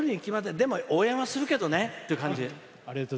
でも、応援はするけどねっていう感じ。